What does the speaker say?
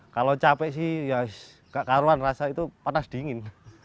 kalau capek sih enggak karuan rasa itu panas dingin